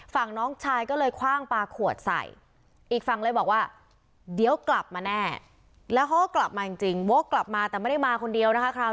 ฝั่งน้องชายก็เลยคว่างปลาขวดใส่